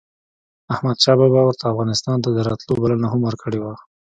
احمد شاه بابا ورته افغانستان ته دَراتلو بلنه هم ورکړې وه